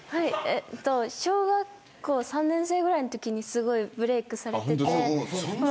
小学校３年生ぐらいのときにブレークされていて。